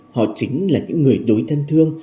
họ chính là những người đối thân thương